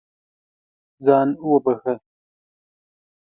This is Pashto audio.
ځان وبښه.